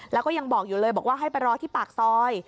แล้วก็ยังบอกอยู่เลยบอกว่าให้ไปรอที่ปากซอย